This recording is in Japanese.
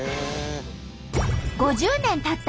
５０年たった